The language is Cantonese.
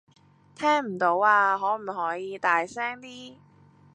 聽唔到呀，可唔可以大聲啲